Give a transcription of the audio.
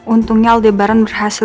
untungnya aldebaran berhasil